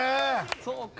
そうか。